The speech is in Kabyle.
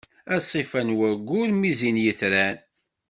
A ṣṣifa n wayyur, mi zzin yetran.